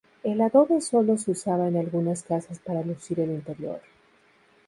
El adobe solo se usaba en algunas casas para lucir el interior.